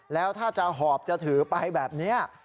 แล้วถ้าจะหอบจะถือไปแบบนี้